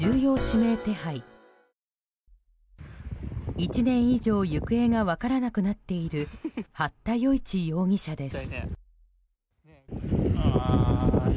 １年以上行方が分からなくなっている八田與一容疑者です。